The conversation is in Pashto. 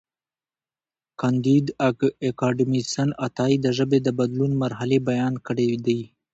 کانديد اکاډميسن عطايي د ژبې د بدلون مرحلې بیان کړې دي.